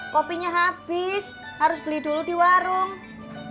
kopinya habis harus beli dulu di warung